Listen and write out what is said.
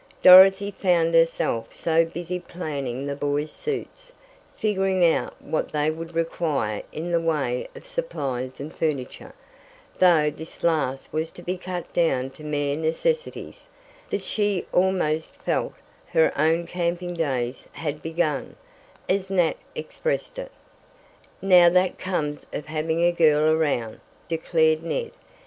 Dorothy found herself so busy planning the boys suits, figuring out what they would require in the way of supplies and furniture, though this last was to be cut down to mere necessities, that she almost felt her own camping days had begun, as Nat expressed it. "Now that comes of having a girl around," declared Ned.